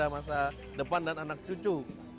masa depan dan anak cucu